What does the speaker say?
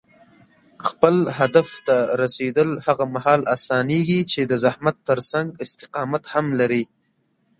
خپل هدف ته رسېدل هغه مهال اسانېږي چې د زحمت ترڅنګ استقامت هم لرې.